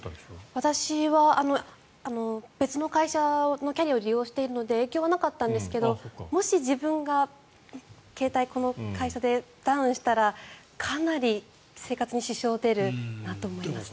私は別の会社のキャリアを利用しているので影響はなかったんですがもし自分が携帯、この会社でダウンしたらかなり生活に支障が出るなと思います。